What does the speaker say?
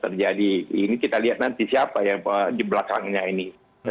terjadi ini kita lihat nanti siapa yang di belakangnya ini